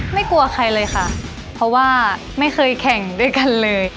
กลัวใครเลยค่ะเพราะว่าไม่เคยแข่งด้วยกันเลย